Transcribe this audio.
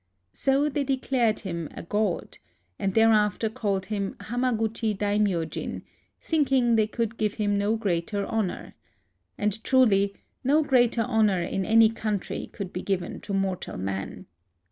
So they declared him a god, and thereafter called him Hamaguchi Daimyojin, thinking they could give him no greater honor ;— and truly no greater honor in any country could be given to mortal man.